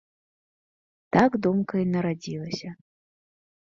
Так думка і нарадзілася.